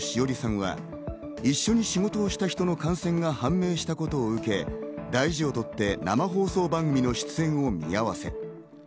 莉さんは一緒に仕事をした人が感染したことを受け、大事を取って生放送番組の出演を見合わせ。